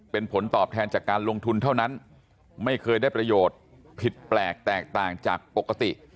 เป็นผลตอบแทนจากการลงทุนเท่านั้นไม่เคยได้ประโยชน์ผิดแปลกแตกต่างจากปกติ